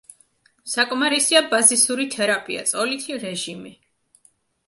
საკმარისია ბაზისური თერაპია: წოლითი რეჟიმი.